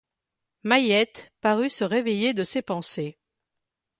Mahiette parut se réveiller de ses pensées.